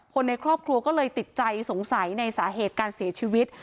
คนในครอบครัวก็เลยติดใจสงสัยในสาเหตุการเสียชีวิต